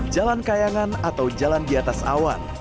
jalan kayangan atau jalan di atas awan